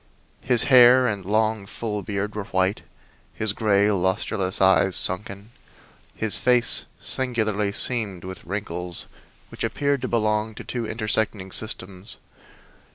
His hair and long, full beard were white, his gray, lustreless eyes sunken, his face singularly seamed with wrinkles which appeared to belong to two intersecting systems.